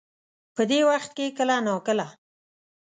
په دې وخت کې کله نا کله